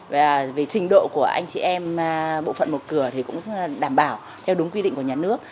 và về trình độ của anh chị em bộ phận một cửa thì cũng đảm bảo theo đúng quy định của nhà nước